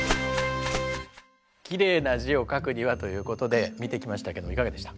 きれいな字を書くにはということで見てきましたけどいかがでした？